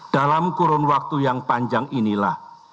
dalam kurun waktu yang panjang inilah